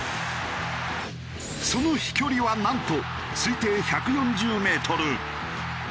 その飛距離はなんと推定１４０メートル。